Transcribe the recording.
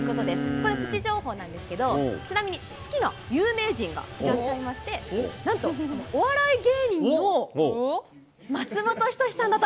これ、プチ情報なんですけど、ちなみに好きな有名人がいらっしゃいまして、なんと、お笑い芸人の松本人志さんだと。